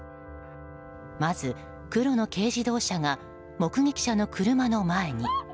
まず黒の軽自動車が目撃者の車の前に。